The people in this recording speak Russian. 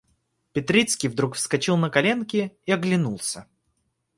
Петрицкий вдруг вскочил на коленки и оглянулся.